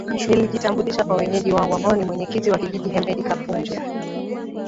Nilijitambulisha kwa wenyeji wangu ambao ni Mwenyekiti wa Kijiji Hemedi Kapunju